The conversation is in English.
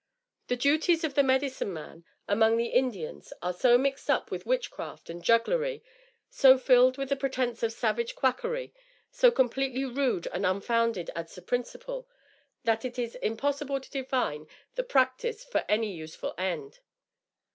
The duties of the "Medicine Man" among the Indians are so mixed up with witchcraft and jugglery, so filled with the pretence of savage quackery, so completely rude and unfounded as to principle, that it is impossible to define the practice for any useful end.